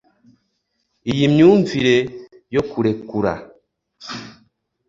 Iyi myumvire yo kurekura